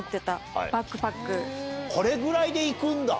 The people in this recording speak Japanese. これぐらいで行くんだ。